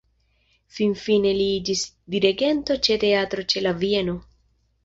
Finfine li iĝis dirigento ĉe Teatro ĉe la Vieno.